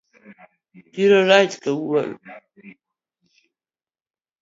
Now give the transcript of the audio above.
Chiro rach kawuono